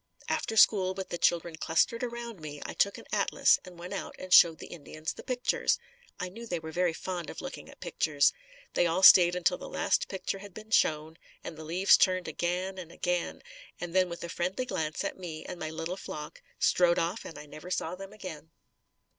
After school, with the children clustered around me, I took an atlas and went out and showed the Indians the pictures. I knew they were very fond of looking at pictures. They all stayed until the last picture had been shown and the leaves turned again and again and then with a friendly glance at me and my little flock, strode off and I never saw them again.